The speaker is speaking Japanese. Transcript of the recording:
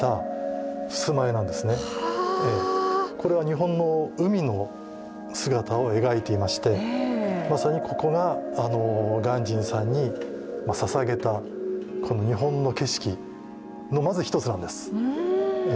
日本の海の姿を描いていましてまさにここが鑑真さんに捧げた日本の景色のまず一つなんです。